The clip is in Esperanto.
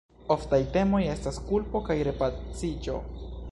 Oftaj temoj estas kulpo kaj repaciĝo.